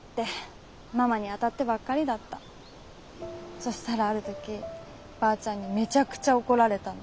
そしたらある時ばあちゃんにめちゃくちゃ怒られたの。